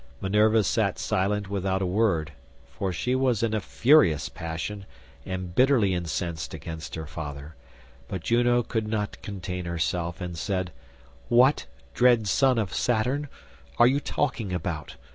Minerva sat silent without a word, for she was in a furious passion and bitterly incensed against her father; but Juno could not contain herself and said, "What, dread son of Saturn, are you talking about?